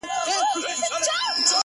پر كومه تگ پيل كړم؛